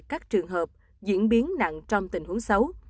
các trường hợp diễn biến nặng trong tình huống xấu